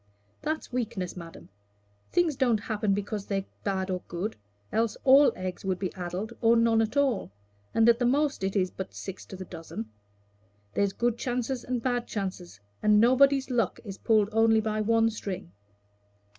"That's weakness, madam. Things don't happen because they're bad or good, else all eggs would be addled or none at all, and at the most it is but six to the dozen. There's good chances and bad chances, and nobody's luck is pulled only by one string."